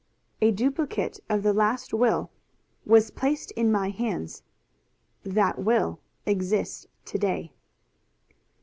"A duplicate of the last will was placed in my hands. That will exists to day!"